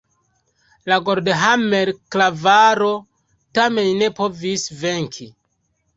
La Goldhammer-klavaro tamen ne povis venki.